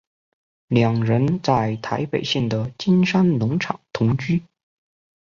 两人在台北县的金山农场同居。